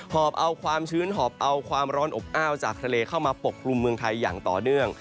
อบเอาความชื้นหอบเอาความร้อนอบอ้าวจากทะเลเข้ามาปกกลุ่มเมืองไทยอย่างต่อเนื่อง